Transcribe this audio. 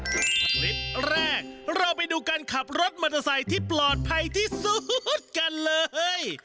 คลิปแรกเราไปดูการขับรถมอเตอร์ไซค์ที่ปลอดภัยที่สุดกันเลย